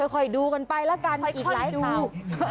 ค่อยดูกันไปแล้วกันอีกหลายข่าว